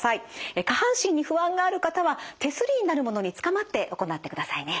下半身に不安がある方は手すりになるものにつかまって行ってくださいね。